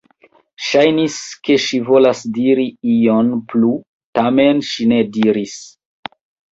Ŝajnis, ke ŝi volas diri ion plu, tamen ŝi ne diris.